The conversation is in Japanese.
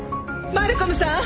マルコムさん！